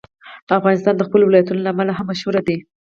افغانستان د خپلو ولایتونو له امله هم مشهور دی.